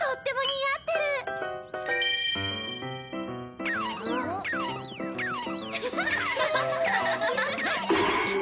アハハハハ！